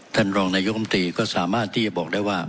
ท่านรองนายกรรมตรีก็สามารถที่จะบอกได้ว่า